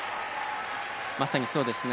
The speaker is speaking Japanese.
まさにそうですね。